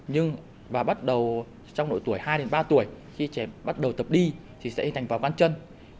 nhưng vào bắt đầu trong độ tuổi hai đến ba tuổi khi trẻ bắt đầu tập đi thì sẽ hình thành vòng bàn chân